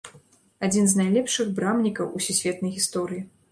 Адзін з найлепшых брамнікаў у сусветнай гісторыі.